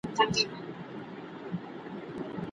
شيطان ورته وايي، تا ډير ستر کار کړی دی.